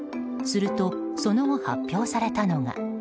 すると、その後発表されたのが。